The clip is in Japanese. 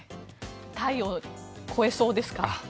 体温、超えそうですか？